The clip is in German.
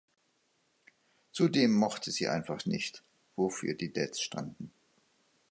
Zudem mochte sie einfach nicht, wofür die Deads standen.